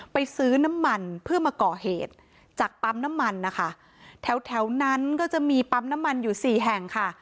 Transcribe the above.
ไปซื้อน้ำมันเพื่อมาก่อเหตุจากปั๊มน้ำมันนะคะแถวแถวนั้นก็จะมีปั๊มน้ำมันอยู่สี่แห่งค่ะ